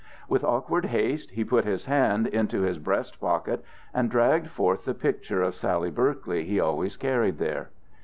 With awkward haste he put his hand into his breast pocket, and dragged forth the picture of Sally Berkley he always carried there.